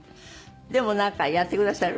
でもなんかやってくださる？